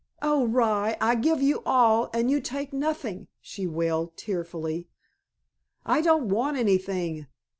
"Oh, rye, I give you all, and you take nothing," she wailed tearfully. "I don't want anything.